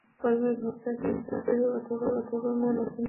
কর্মের ভোক্তা কিন্তু দেহ অথবা মন, আত্মা কখনই নয়।